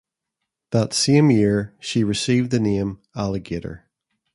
That same year, she received the name "Alligator".